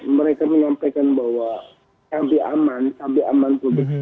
mereka menyampaikan bahwa sampai aman sampai aman publik